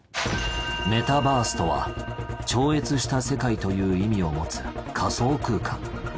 メタバースとは超越した世界という意味を持つ仮想空間。